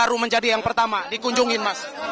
mas gibran kamu menjadi yang pertama dikunjungin mas